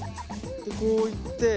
こういって。